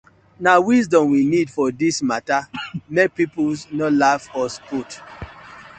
Na wisdom we need for dis matta mek pipus no laugh us put.